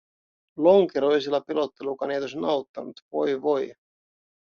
Lonkeroisella pelottelukaan ei tosin auttanut, voi, voi.